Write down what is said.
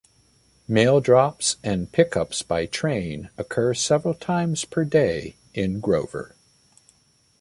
Mail drops and pickups by train occurred several times per day in Grover.